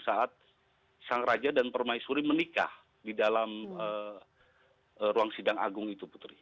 saat sang raja dan permaisuri menikah di dalam ruang sidang agung itu putri